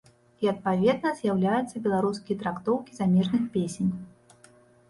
І, адпаведна, з'яўляюцца беларускія трактоўкі замежных песень.